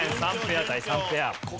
３ペア対３ペア。